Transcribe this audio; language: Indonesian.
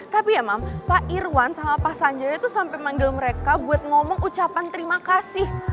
tapi ya mam pak irwan sama pak sanjoyo itu sampai manggil mereka buat ngomong ucapan terima kasih